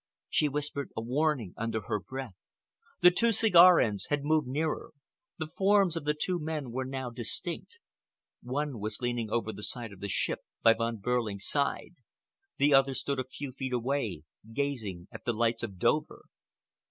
She whispered a warning under her breath. The two cigar ends had moved nearer. The forms of the two men were now distinct. One was leaning over the side of the ship by Von Behrling's side. The other stood a few feet away, gazing at the lights of Dover.